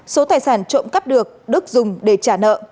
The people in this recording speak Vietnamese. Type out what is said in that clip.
số tài sản trộm cắp được đức dùng để trả nợ